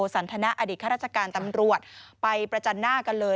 สันทนาอดีตข้าราชการตำรวจไปประจันหน้ากันเลย